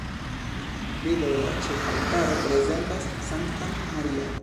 Bildo de la ĉefaltaro prezentas Sanktan Maria.